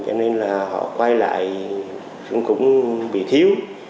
cho nên là họ quay lại cũng bị thiếu